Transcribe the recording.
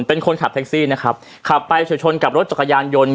เป็นคนขับแท็กซี่นะครับขับไปเฉียวชนกับรถจักรยานยนต์